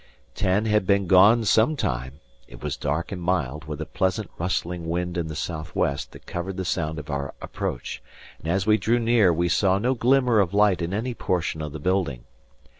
Ten had been gone some time; it was dark and mild, with a pleasant, rustling wind in the south west that covered the sound of our approach; and as we drew near we saw no glimmer of light in any portion of the building.